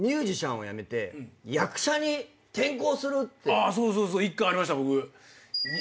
ああそうそうそう１回ありました僕。